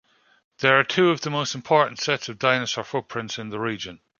There are two of the most important sets of dinosaur footprints in the region.